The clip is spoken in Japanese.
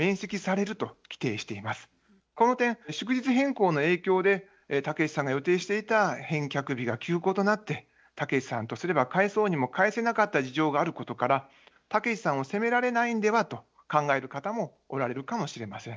この点祝日変更の影響でタケシさんが予定していた返却日が休講となってタケシさんとすれば返そうにも返せなかった事情があることからタケシさんを責められないんではと考える方もおられるかもしれません。